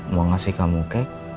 mau ngasih kamu cake